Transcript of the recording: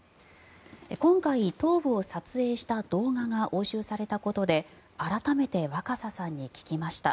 今回、頭部を撮影した動画が押収されたことで改めて若狭さんに聞きました。